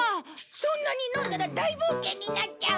そんなに飲んだら大冒険になっちゃう！